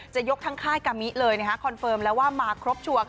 จะยกทั้งค่ายกะมิเลยคอนเฟิร์มแล้วว่ามาครบชัวร์